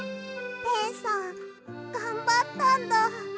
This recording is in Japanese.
ペンさんがんばったんだ。